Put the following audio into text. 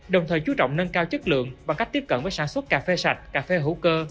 đồng thời chú trọng nâng cao chất lượng bằng cách tiếp cận với sản xuất cà phê sạch cà phê hữu cơ